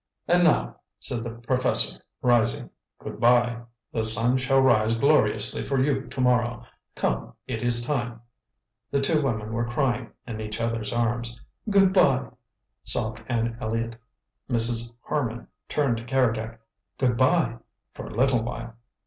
"And now," said the professor, rising, "good bye! The sun shall rise gloriously for you tomorrow. Come, it is time." The two women were crying in each other's arms. "Good bye!" sobbed Anne Elliott. Mrs. Harman turned to Keredec. "Good bye! for a little while."